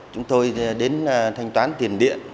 chúng tôi đến thanh toán tiền điện